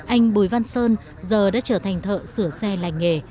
anh bùi văn sơn giờ đã trở thành thợ sửa xe lành nghề